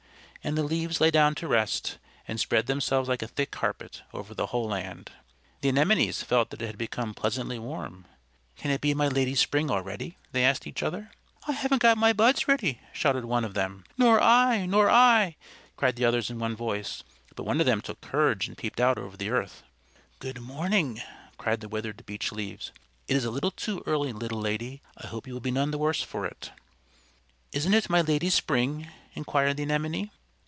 And the leaves lay down to rest, and spread themselves like a thick carpet over the whole land. The Anemones felt that it had become pleasantly warm. "Can it be my Lady Spring already?" they asked each other. "I haven't got my buds ready," shouted one of them. "Nor I! Nor I!" cried the others in one voice. But one of them took courage and peeped out over the earth. "Good morning!" cried the withered Beech Leaves. "It is a little too early, little lady. I hope you will be none the worse for it." "Isn't it my Lady Spring?" inquired the Anemone.